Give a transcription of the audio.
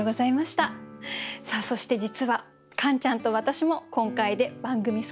さあそして実はカンちゃんと私も今回で番組卒業なんです。